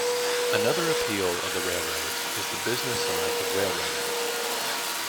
Another appeal of the railroads is the business side of railroading.